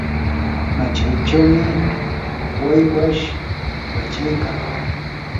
machaychawmi waywash wachaykan.